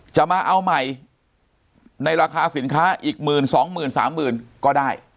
จะมาเอาใหม่ในราคาสินค้าอีกหมื่นสองหมื่นสามหมื่นก็ได้